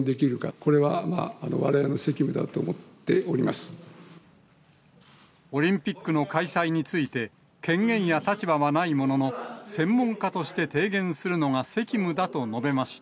これはわれわれの責務だと思ってオリンピックの開催について、権限や立場はないものの、専門家として提言するのが責務だと述べました。